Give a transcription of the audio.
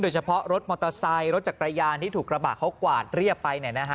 เฉพาะรถมอเตอร์ไซค์รถจักรยานที่ถูกกระบะเขากวาดเรียบไป